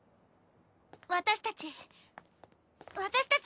私たち私たち